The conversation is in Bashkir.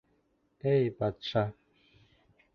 — Эй батша!